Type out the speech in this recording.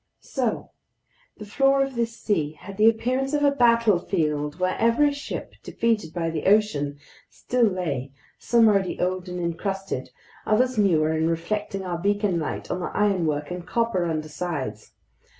So the floor of this sea had the appearance of a battlefield where every ship defeated by the ocean still lay, some already old and encrusted, others newer and reflecting our beacon light on their ironwork and copper undersides.